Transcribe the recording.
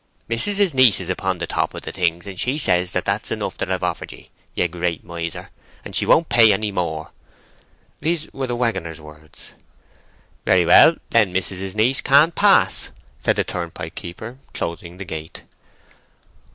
"Mis'ess's niece is upon the top of the things, and she says that's enough that I've offered ye, you great miser, and she won't pay any more." These were the waggoner's words. "Very well; then mis'ess's niece can't pass," said the turnpike keeper, closing the gate.